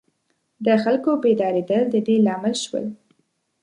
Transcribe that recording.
د خلکو بیدارېدل د دې لامل شول.